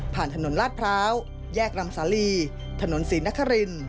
ถนนลาดพร้าวแยกลำสาลีถนนศรีนคริน